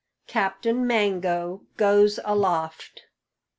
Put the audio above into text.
CAPTAIN MANGO "GOES ALOFT."